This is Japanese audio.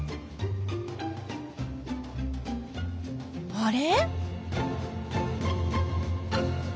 あれ？